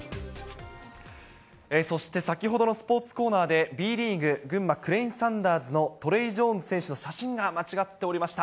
そして先ほどのスポーツコーナーで、Ｂリーグ、群馬クレインサンダーズのトレイ・ジョーンズ選手の写真が間違っておりました。